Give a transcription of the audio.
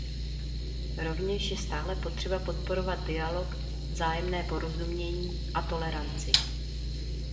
Rovněž je stále potřeba podporovat dialog, vzájemné porozumění a toleranci.